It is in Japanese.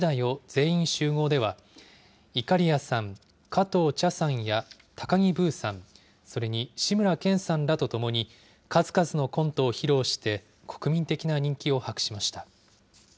全員集合では、いかりやさん、加藤茶さんや高木ブーさん、それに志村けんさんらと共に数々のコントを披露して、国民的な人気を博しました。